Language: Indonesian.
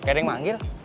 kayak ada yang manggil